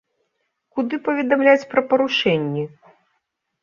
Куды паведамляць пра парушэнні?